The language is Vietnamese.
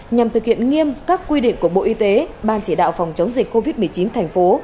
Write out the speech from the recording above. nhằm thực hiện nghiêm các quy định của bộ y tế ban chỉ đạo phòng chống dịch covid một mươi chín thành phố